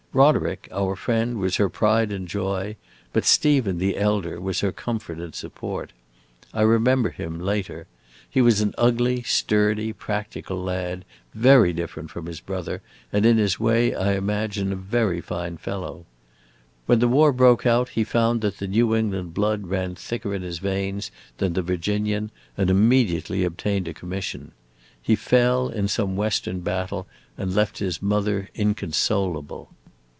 Roderick, our friend, was her pride and joy, but Stephen, the elder, was her comfort and support. I remember him, later; he was an ugly, sturdy, practical lad, very different from his brother, and in his way, I imagine, a very fine fellow. When the war broke out he found that the New England blood ran thicker in his veins than the Virginian, and immediately obtained a commission. He fell in some Western battle and left his mother inconsolable.